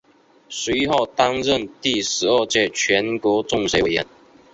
随后担任第十二届全国政协委员。